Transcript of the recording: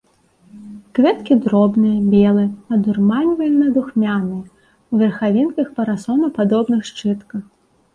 Кветкі дробныя, белыя, адурманьвальна-духмяныя, у верхавінкавых парасонападобных шчытках.